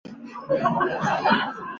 它还是它拿字母表中的第三个字母。